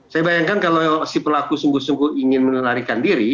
saya bayangkan kalau si pelaku sungguh sungguh ingin menelarikan diri